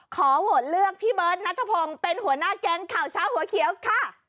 ขอโหวตเลือกพี่เบิร์ตนัทพงศ์เป็นหัวหน้าแก๊งข่าวเช้าหัวเขียวค่ะ